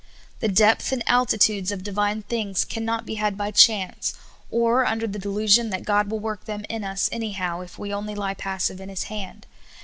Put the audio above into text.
The depth and altitudes of Divine things can not be had by chance, or under the delusion that God will work them in us anyhow, if we only lie passive in His hand.